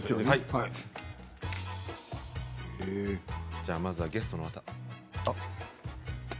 じゃあまずはゲストの方。